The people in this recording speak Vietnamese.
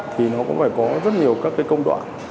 thì nó cũng phải có rất nhiều các cái công đoạn